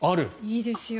いいですよ